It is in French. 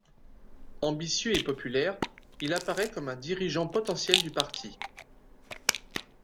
Ambitieux et populaire, il apparaît comme un dirigeant potentiel du parti.